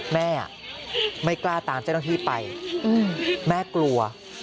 แม่ไม่กล้าตามเจ้าหน้าที่ไปแม่กลัว